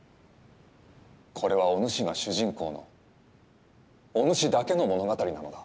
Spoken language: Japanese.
これはおぬしが主人公のおぬしだけの物語なのだ。